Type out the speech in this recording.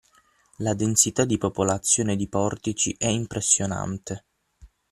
La densità di popolazione di Portici è impressionante!